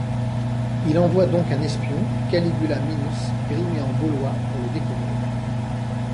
Il envoie donc un espion, Caligula Minus, grimé en Gaulois, pour le découvrir.